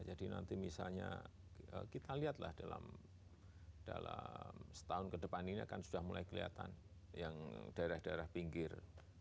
jadi nanti misalnya kita lihatlah dalam setahun ke depan ini akan sudah mulai kelihatan yang daerah daerah pinggir